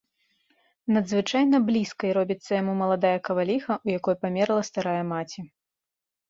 Надзвычайна блізкай робіцца яму маладая каваліха, у якой памерла старая маці.